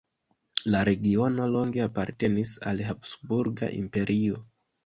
La regiono longe apartenis al Habsburga Imperio.